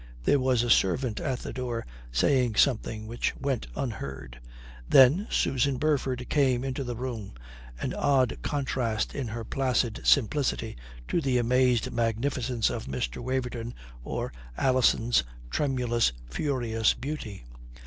There was a servant at the door saying something which went unheard. Then Susan Burford came into the room, an odd contrast in her placid simplicity to the amazed magnificence of Mr. Waverton or Alison's tremulous, furious beauty.